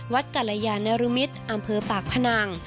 วัดกัลยานรุมิตรอำเภอปากพนัง